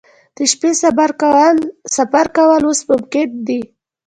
د شپې سفر کول اوس ممکن دي